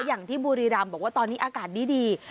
อย่างที่บุรีรำบอกว่าตอนนี้อากาศดี